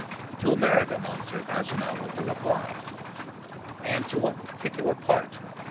"To America, Monsieur Paganel," was the reply. "And to what particular part?"